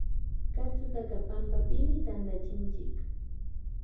Katsutaka pampapimi tantachinchik